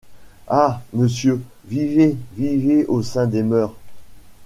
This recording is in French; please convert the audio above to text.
Ah ! monsieur, vivez, vivez au sein des mers !